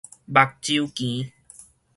目睭墘